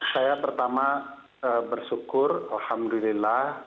saya pertama bersyukur alhamdulillah